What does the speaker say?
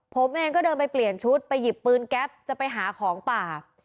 ผมเองก็เดินไปเปลี่ยนชุดไปหยิบปืนแก๊ปจะไปหาของป่า